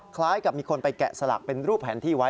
คล้ายกับมีคนไปแกะสลักเป็นรูปแผนที่ไว้